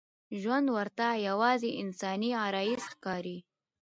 ژوند ورته یوازې انساني غرايز ښکاري.